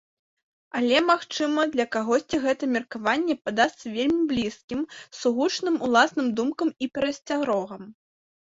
Але, магчыма, для кагосьці гэта меркаванне падасца вельмі блізкім, сугучным уласным думкам і перасцярогам.